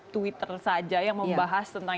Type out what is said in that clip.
twitter saja yang membahas tentang